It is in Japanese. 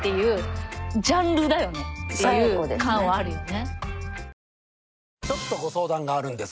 いう感はあるよね。